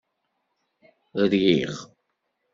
Rriɣ.